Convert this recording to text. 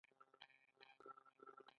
د غزني په اجرستان کې د سرو زرو نښې شته.